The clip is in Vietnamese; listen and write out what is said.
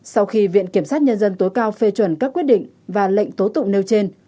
sau khi viện kiểm sát nhân dân tối cao phê chuẩn các quyết định và lệnh tố tụng nêu trên